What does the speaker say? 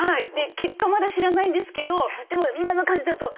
結果まだ知らないんですけどでも今の感じだと自信があります！